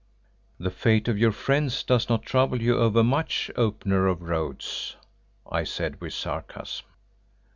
"The fate of your friends does not trouble you over much, Opener of Roads," I said with sarcasm.